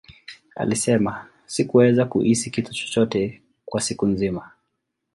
Alisema, Sikuweza kuhisi kitu chochote kwa siku nzima.